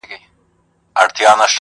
ما درکړي تا ته سترګي چي مي ووینې پخپله-